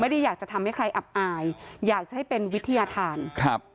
ไม่ได้อยากจะทำให้ใครอับอายอยากจะให้เป็นวิทยาธารครับ